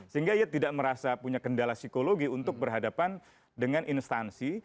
sehingga ia tidak merasa punya kendala psikologi untuk berhadapan dengan instansi